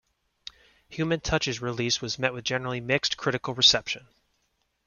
"Human Touch"'s release was met with a generally mixed critical reception.